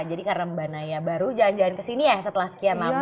jadi karena mbak naya baru jalan jalan kesini ya setelah sekian lama